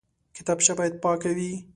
کتابچه باید پاکه وي